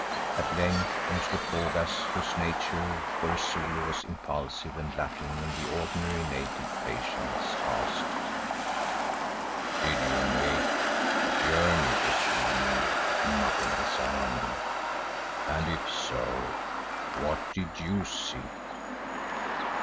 At length Umslopogaas, whose nature, for a Zulu, was impulsive and lacking in the ordinary native patience, asked, "Did you make a journey this evening, Macumazahn, and if so, what did you see?"